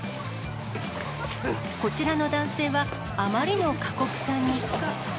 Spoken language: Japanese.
こちらの男性は、あまりの過酷さに。